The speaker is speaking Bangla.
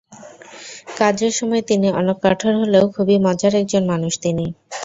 কাজের সময় তিনি অনেক কঠোর হলেও খুবই মজার একজন মানুষ তিনি।